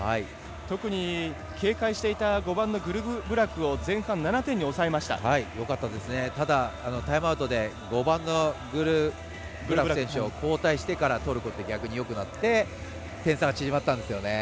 特に警戒していた５番のグルブラクを前半７点にただタイムアウトで５番のグルブラク選手が交代してからトルコが逆によくなって差が縮まったんですよね。